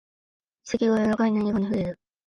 指先が柔らかい何かに触れる